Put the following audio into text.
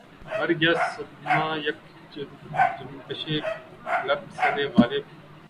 مرگیا صدمہٴ یک جنبشِ لب سے غالب